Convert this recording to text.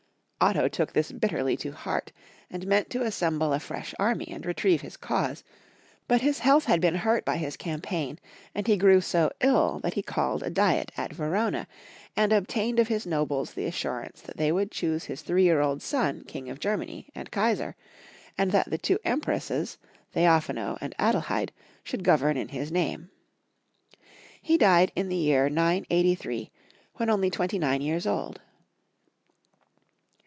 Otto took this bitterly to heart, and meant to assemble a fresh army and retrieve his cause, but his health had been hurt by his campaign, and he grew so ill that he called a Diet at Verona, and obtained of his nobles the assurance that they would choose his three year old son King of Germany and Kaisar, and that the two Empresses, Theophano and Adelheid, should govern in his name. He died in the year 983, when only twenty nine years old.